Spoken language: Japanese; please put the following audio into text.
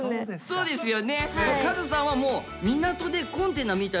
そうですよね。